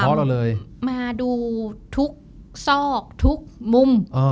มาดูฟาร์มมาดูทุกซ่อกทุกมุ่ม